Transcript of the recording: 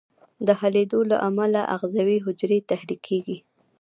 د حلېدو له امله آخذوي حجرې تحریکیږي.